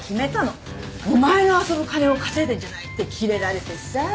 「お前の遊ぶ金を稼いでんじゃない」ってキレられてさ。